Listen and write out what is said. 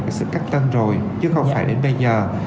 cái sự cách tân rồi chứ không phải đến bây giờ